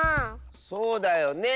そうだよねえ。